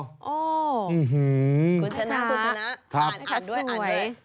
คุณชนะคุณชนะอ่านด้วยอ่านด้วย